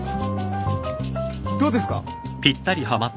どうですか？